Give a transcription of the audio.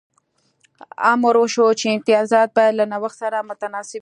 امر وشو چې امتیازات باید له نوښت سره متناسب وي